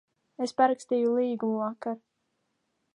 Es parakstīju līgumu vakar.